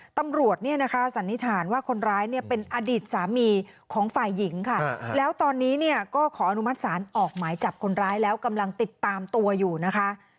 ตำรวจเนี่ยนะคะสันนิษฐานว่าคนร้ายเนี่ยเป็นอดีตสามีของฝ่ายหญิงค่ะแล้วตอนนี้เนี่ยก็ขออนุมัติศาลออกหมายจับคนร้ายแล้วกำลังติดตามตัวอยู่นะคะ